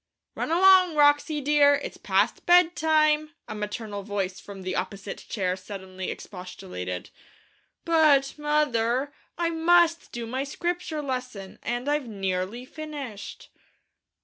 'Run along, Wroxie, dear, it's past bedtime!' a maternal voice from the opposite chair suddenly expostulated. 'But, mother, I must do my Scripture lesson, and I've nearly finished!'